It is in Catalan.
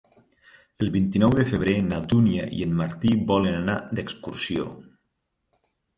El vint-i-nou de febrer na Dúnia i en Martí volen anar d'excursió.